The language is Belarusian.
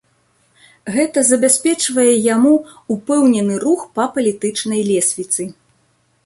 Гэта забяспечвае яму ўпэўнены рух па палітычнай лесвіцы.